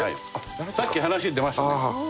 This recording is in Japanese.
さっき話に出ましたね。